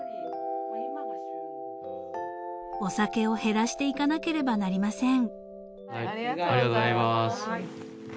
［お酒を減らしていかなければなりません］